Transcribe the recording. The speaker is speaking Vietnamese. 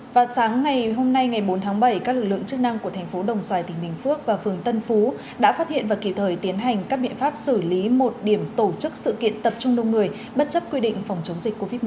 vào sáng ngày hôm nay ngày bốn tháng bảy các lực lượng chức năng của thành phố đồng xoài tỉnh bình phước và phường tân phú đã phát hiện và kịp thời tiến hành các biện pháp xử lý một điểm tổ chức sự kiện tập trung đông người bất chấp quy định phòng chống dịch covid một mươi chín